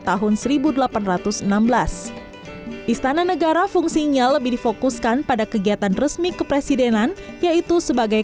tahun seribu delapan ratus enam belas istana negara fungsinya lebih difokuskan pada kegiatan resmi kepresidenan yaitu sebagai